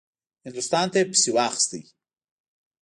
هندوستان ته یې پسې واخیست.